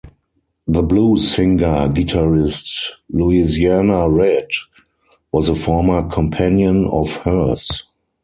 The blues singer-guitarist Louisiana Red was a former companion of hers.